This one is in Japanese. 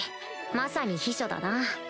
まさに秘書だな